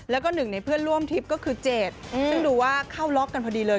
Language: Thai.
แล้วก็หนึ่งในเพื่อนร่วมทริปก็คือเจดซึ่งดูว่าเข้าล็อกกันพอดีเลย